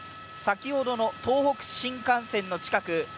先ほどの東北新幹線の近く